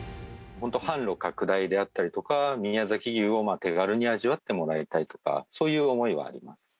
本当、販路拡大であったりとか、宮崎牛を手軽に味わってもらいたいとか、そういう思いはあります。